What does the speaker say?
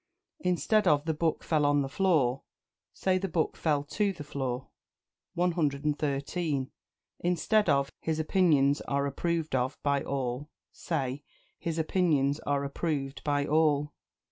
Instead of "The book fell on the floor," say "The book fell to the floor." 113. Instead of "His opinions are approved of by all," say "His opinions are approved by all."